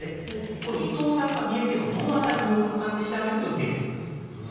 この伊藤さんが三重県のどの辺りに多いのかって調べると見えてきます。